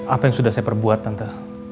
apa yang sudah saya perbuat tante